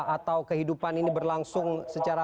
atau kehidupan ini berlangsung secara